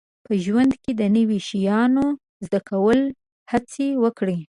په ژوند کې د نوي شیانو زده کولو هڅې وکړئ